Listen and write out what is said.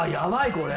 これ。